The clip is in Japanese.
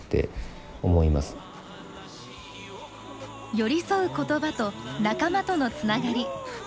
寄り添う言葉と仲間とのつながり。